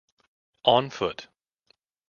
On foot.